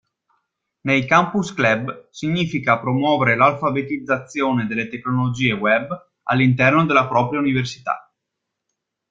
Nei Campus Club significa promuovere l'alfabetizzazione delle tecnologie Web all'interno della propria Università.